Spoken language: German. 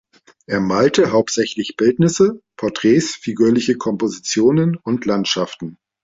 Er malte hauptsächlich Bildnisse, Porträts, figürliche Kompositionen und Landschaften.